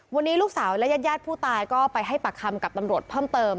วันนี้ลูกสาวและญาติผู้ตายก็ไปให้ปากคำกับตำรวจเพิ่มเติม